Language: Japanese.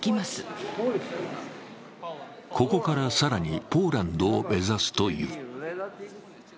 ここから更にポーランドを目指すという。